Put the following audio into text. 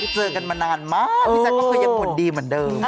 สวัสดีค่ะ